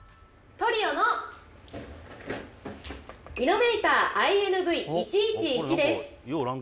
トリオのイノベーターＩＮＶー１１１です。